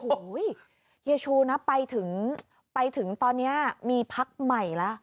โอ้โหเฮียชูนะไปถึงไปถึงตอนนี้มีพักใหม่แล้ว